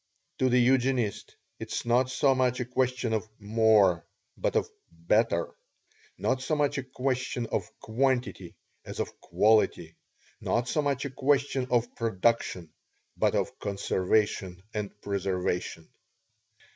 To the Eugenist, it is not so much a question of "more," but of "better" not so much a question of quantity as of quality not so much a question of production, but of conservation and preservation.